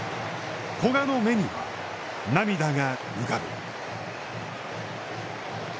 古賀の目には、涙が浮かぶ。